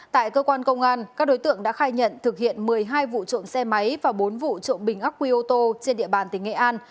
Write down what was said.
tại cơ quan công an các đối tượng đã khai nhận thực hiện một mươi hai vụ trộm xe máy và bốn vụ trộm bình ác quy ô tô trên địa bàn tỉnh nghệ an